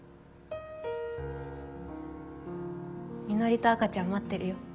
みのりと赤ちゃん待ってるよ。